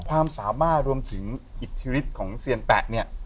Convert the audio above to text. ความสามารถรวมถึงอิทธิฤทธิ์ของเซียนแปะเนี่ย